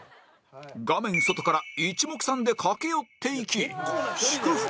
画面外から一目散で駆け寄っていき祝福